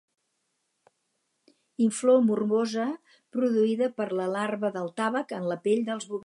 Inflor morbosa produïda per la larva del tàvec en la pell dels bovins.